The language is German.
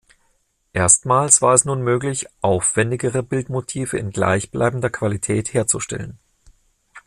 Erstmals war es nun möglich, aufwändigere Bildmotive in gleichbleibender Qualität herzustellen.